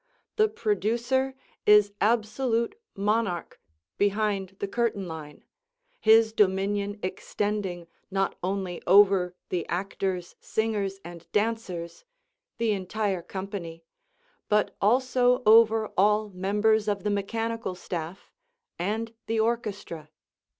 The producer is absolute monarch behind the curtain line, his dominion extending not only over the actors, singers and dancers the entire company but also over all members of the mechanical staff and the orchestra.